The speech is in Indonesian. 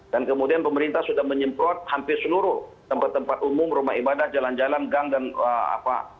dan kemudian pemerintah sudah menyemprot hampir seluruh tempat tempat umum rumah ibadah jalan jalan gang dan apa